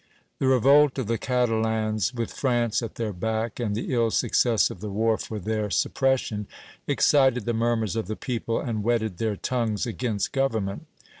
The revolt of the Catalans, with France at their back, and the ill success of the war for their suppression, excited the murmurs of the people, and whetted their tongues against government.